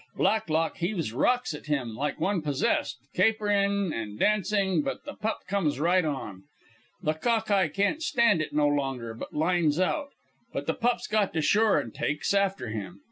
Blacklock heaves rocks at him like one possessed, capering an' dancing; but the pup comes right on. The Cock eye can't stand it no longer, but lines out. But the pup's got to shore an' takes after him.